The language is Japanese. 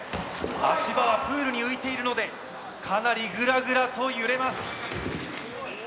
足場はプールに浮いているのでかなりぐらぐらと揺れます。